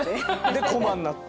で駒になって。